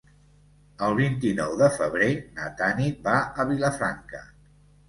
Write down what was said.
El vint-i-nou de febrer na Tanit va a Vilafranca.